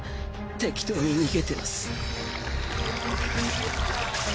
適当に逃げてます。